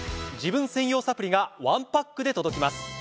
自分専用サプリがワンパックで届きます。